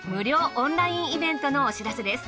オンラインイベントのお知らせです。